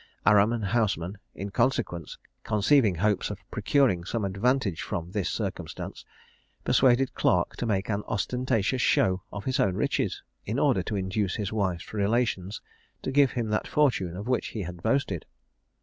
Aram and Houseman, in consequence, conceiving hopes of procuring some advantage from this circumstance, persuaded Clarke to make an ostentatious show of his own riches, in order to induce his wife's relations to give him that fortune of which he had boasted.